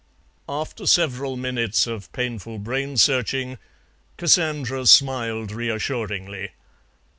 After several minutes of painful brain searching, Cassandra smiled reassuringly.